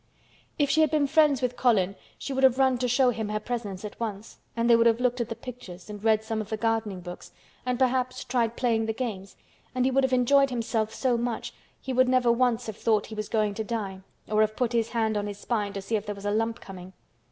If she had been friends with Colin she would have run to show him her presents at once, and they would have looked at the pictures and read some of the gardening books and perhaps tried playing the games, and he would have enjoyed himself so much he would never once have thought he was going to die or have put his hand on his spine to see if there was a lump coming.